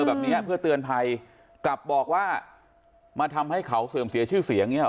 แบบนี้เพื่อเตือนภัยกลับบอกว่ามาทำให้เขาเสื่อมเสียชื่อเสียง